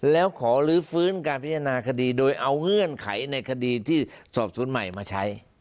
แล้วขอลื้อฟื้นการพิจารณาคดีโดยเอาเงื่อนไขในคดีที่สอบสวนใหม่มาใช้